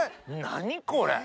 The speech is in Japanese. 何これ！